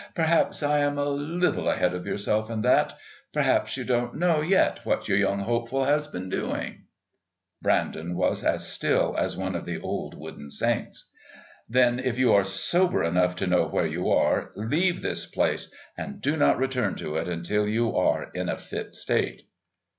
Perhaps I am a little ahead of yourself in that. Perhaps you don't know yet what your young hopeful has been doing." Brandon was as still as one of the old wooden saints. "Then if you are sober enough to know where you are, leave this place and do not return to it until you are in a fit state."